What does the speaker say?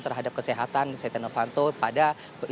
terhadap kesehatan setia novanto pada